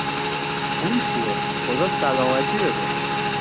پول چیه، خدا سلامتی بده!